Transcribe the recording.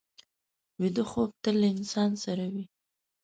ویده خوب تل له انسان سره وي